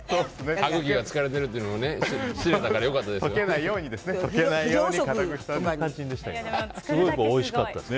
歯茎が疲れてるっていうのを知れたから良かったですね。